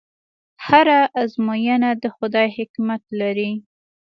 هره ازموینه د خدای حکمت لري.